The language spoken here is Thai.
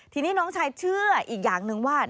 ทีนี้น้องชายเชื่ออีกอย่างหนึ่งว่า